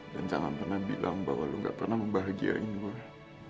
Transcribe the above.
dan jangan pernah bilang bahwa lo gak pernah membahagiain gue